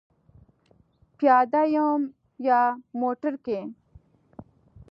پیاده یم یا موټر کې؟